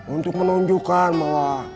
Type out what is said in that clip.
untuk menunjukkan bahwa